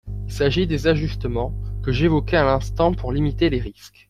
Il s’agit des ajustements que j’évoquais à l’instant pour limiter les risques.